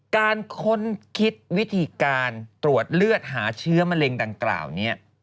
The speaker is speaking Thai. ค้นคิดวิธีการตรวจเลือดหาเชื้อมะเร็งดังกล่าวนี้